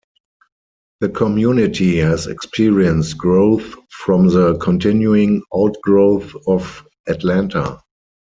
The community has experienced growth from the continuing outgrowth of Atlanta.